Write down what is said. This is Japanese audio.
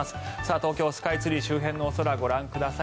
東京スカイツリー周辺のお空ご覧ください。